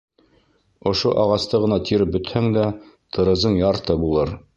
Ошо ағасты ғына тиреп бөтһәң дә, тырызың ярты булыр.